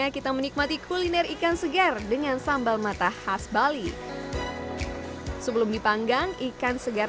kita menikmati kuliner ikan segar dengan sambal mata khas bali sebelum dipanggang ikan segar